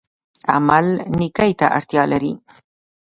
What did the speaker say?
عمل نیکۍ ته اړتیا لري